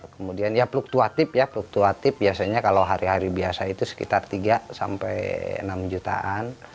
kemudian ya fluktuatif ya fluktuatif biasanya kalau hari hari biasa itu sekitar tiga sampai enam jutaan